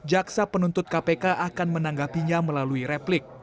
jaksa penuntut kpk akan menanggapinya melalui replik